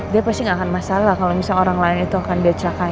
dia pasti gak akan masalah kalo misalnya orang lain itu akan dia celakai